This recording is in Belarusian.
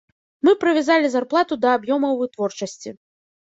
Мы прывязалі зарплату да аб'ёмаў вытворчасці.